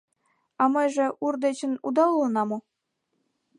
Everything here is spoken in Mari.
А меже ур дечын уда улына мо?